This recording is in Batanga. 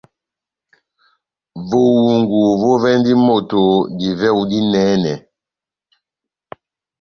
Vohungu vovɛndi moto divɛhu dinɛnɛ.